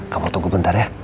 kamu tunggu bentar ya